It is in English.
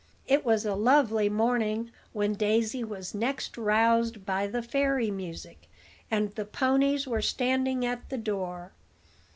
It was a lovely morning when Daisy was next roused by the fairy music, and the ponies were standing at the door.